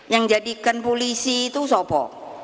yang jadikan polisi itu sopo